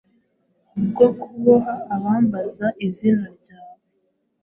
bwo kuboha abambaza izina ryawe.”